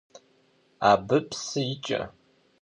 Абы псы икӀэ.